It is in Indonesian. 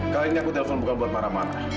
kalian nyaku telepon bukan buat marah marah